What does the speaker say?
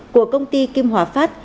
của công ty kim hòa phát